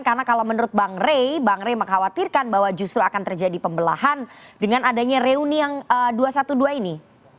karena kalau menurut bang rey bang rey mengkhawatirkan bahwa justru akan terjadi pembelahan dengan adanya reuni yang dua ratus dua belas ini